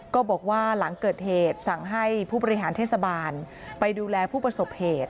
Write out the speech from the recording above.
ก็บอกว่าหลังเกิดเหตุสั่งให้ผู้บริหารเทศบาลไปดูแลผู้ประสบเหตุ